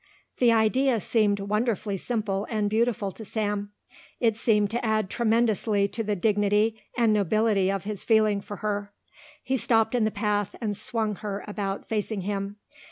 The idea seemed wonderfully simple and beautiful to Sam. It seemed to add tremendously to the dignity and nobility of his feeling for her. He stopped in the path and swung her about facing him.